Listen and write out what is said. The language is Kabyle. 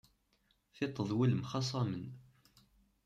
Tiṭ d wul mxaṣamen.